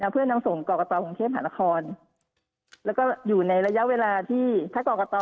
เพื่อนำส่งกรกตกรุงเทพหานครแล้วก็อยู่ในระยะเวลาที่ถ้ากรกต